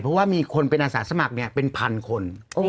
เพราะว่ามีคนเป็นอาสาสมัครเป็นพันคน